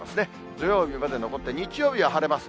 土曜日まで残って、日曜日は晴れます。